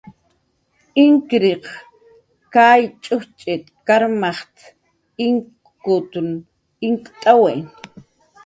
Inkkiriq kay ch'ujchit karmaj inkutn inkt'awi.